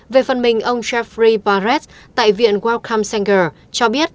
về phần mình ông jeffrey barrett tại viện wellcome sanger cho biết